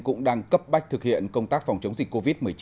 cũng đang cấp bách thực hiện công tác phòng chống dịch covid một mươi chín